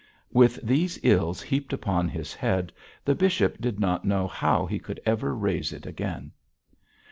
With these ills heaped upon his head, the bishop did not know how he could ever raise it again.